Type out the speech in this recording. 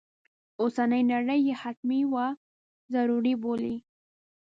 اوسنی نړی یې حتمي و ضروري بولي.